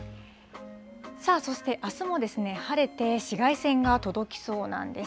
さあ、そしてあすも晴れて紫外線が届きそうなんです。